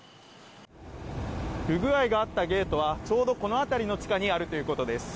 不具合があったゲートはちょうどこの辺りの地下にあるということです。